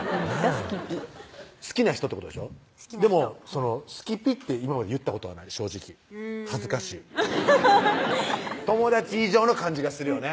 好きピ好きな人ってことでしょでも「好きピ」って今まで言ったことはない正直恥ずかしい友達以上の感じがするよね